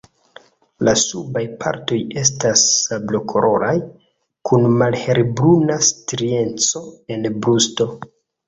La subaj partoj estas sablokoloraj kun malhelbruna strieco en brusto.